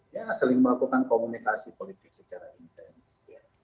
ya seling melakukan komunikasi politik secara intens